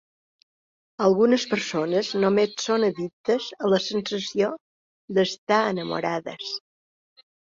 Algunes persones només són addictes a la sensació d'estar enamorades.